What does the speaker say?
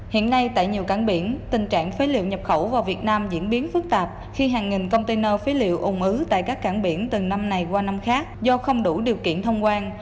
hiện nay tại nhiều cảng biển tình trạng phế liệu nhập khẩu vào việt nam diễn biến phức tạp khi hàng nghìn container phế liệu ung ứ tại các cảng biển từng năm này qua năm khác do không đủ điều kiện thông quan